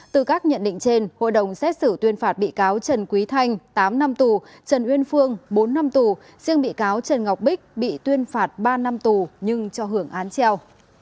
từ các nhận định trên hội đồng xét xử tuyên phạt bị cáo trần quý thanh tám năm tù trần uyên phương bốn năm tù riêng bị cáo trần ngọc bích bị tuyên phạt ba năm tù nhưng cho hưởng án treo